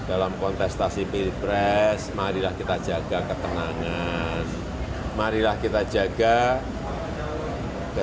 disoj somewhat asi bosenakai di kalimantan yang halus untuk mengemaskan daerahheads dan k twitter